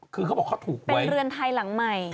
คือเขาบอกเขาถูกเป็นเรือนไทยหลังใหม่